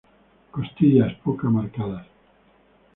Costillas pocas marcadas.